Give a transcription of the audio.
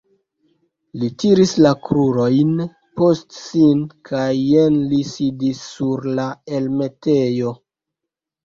Li tiris la krurojn post sin kaj jen li sidis sur la elmetejo.